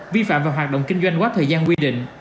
vi phạm và hoạt động kinh doanh quá thời gian quy định